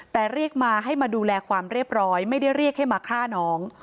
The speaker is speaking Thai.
แต่เรียกมาให้มาดูแลความเรียบร้อยไม่ได้เรียกให้มาฆ่าน้อง